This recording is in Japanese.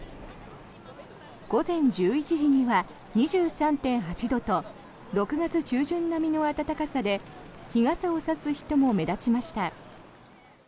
午前１１時には２３．８度と６月中旬並みの暖かさで日傘を差す人も目立ちました。